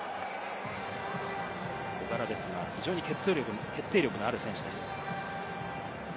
小柄ですが非常に決定力のある選手です。